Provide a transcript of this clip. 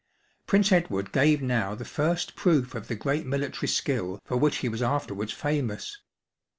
Prince Edward gave now the first proof of the great military skiU for which he was after wards famous.